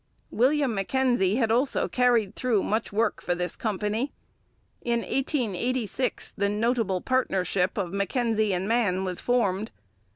William Mackenzie had also carried through much work for this company. In 1886 the notable partnership of Mackenzie and Mann was formed.